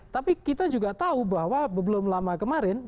tapi kita juga tahu bahwa belum lama kemarin